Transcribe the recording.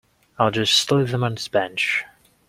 I'll just leave them on this bench.